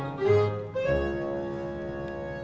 hai ojek mbak iya bang